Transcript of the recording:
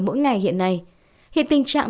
mỗi ngày hiện nay hiện tình trạng